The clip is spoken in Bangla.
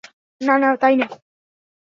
না - না, তাইনা?